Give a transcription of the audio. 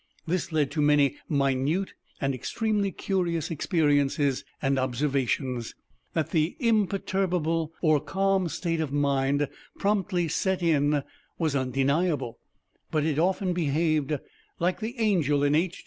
This led to many minute and extremely curious experiences and observations. That the imperturbable or calm state of mind promptly set in was undeniable, but it often behaved, like the Angel in H.